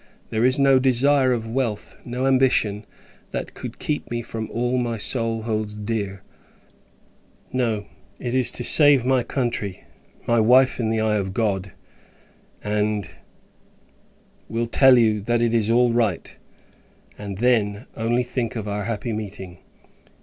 There is no desire of wealth, no ambition, that could keep me from all my soul holds dear. No; it is to save my country, my wife in the eye of God, and will tell you that it is all right: and, then, only think of our happy meeting.